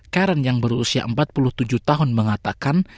karen yang berusia empat puluh tujuh tahun mengatakan